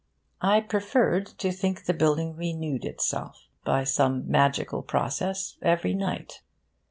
I preferred to think the building renewed itself, by some magical process, every night.